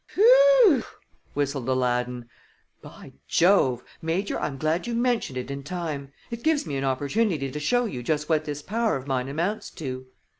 "Phew!" whistled Aladdin. "By Jove! Major, I'm glad you mentioned it in time. It gives me an opportunity to show you just what this power of mine amounts to."